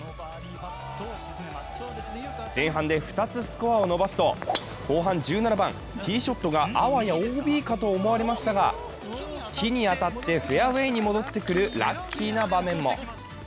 前半で２つスコアを伸ばすと後半１７番、ティーショットがあわやＯＢかと思われましたが木に当たってフェアウェーに戻ってくるラッキーな場面も。